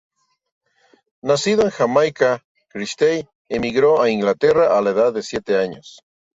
Nacido en Jamaica, Christie emigró a Inglaterra a la edad de siete años.